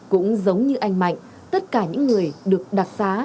cũng giống như anh mạnh tất cả những người được đặc xá